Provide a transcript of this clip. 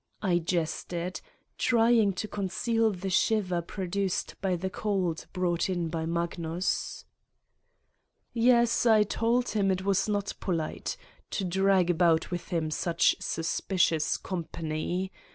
I jested, trying to conceal the shiver produced by the cold brought in by Magnus. "Yes, I told him it was not polite to drag about with him such suspicions company.